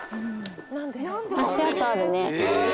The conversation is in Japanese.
足跡あるね。